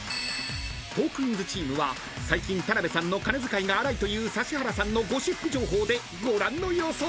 ［トークィーンズチームは最近田辺さんの金遣いが荒いという指原さんのゴシップ情報でご覧の予想］